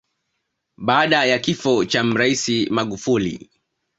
Baada ya kifo cha Mraisi Magufuli